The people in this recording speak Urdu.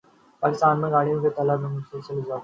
پاکستان میں گاڑیوں کی طلب میں مسلسل اضافہ